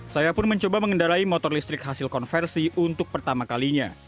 saya pun mencoba mengendarai motor listrik hasil konversi untuk pertama kalinya